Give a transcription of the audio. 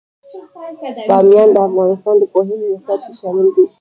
بامیان د افغانستان د پوهنې نصاب کې شامل دي.